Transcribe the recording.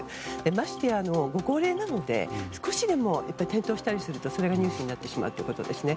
ましてや、ご高齢なので少しでも転倒したりするとそれがニュースになってしまうということですね。